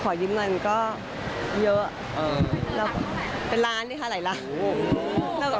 ยืมเงินก็เยอะแล้วเป็นล้านนะคะหลายล้าน